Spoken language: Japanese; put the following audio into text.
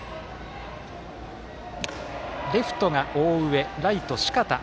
レフトが大上ライト、四方。